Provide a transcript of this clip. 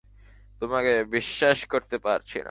তোমাকে বিশ্বাস করতে পারছি না।